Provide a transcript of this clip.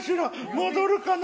戻るかな？